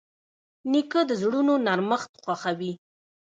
نیکه د زړونو نرمښت خوښوي.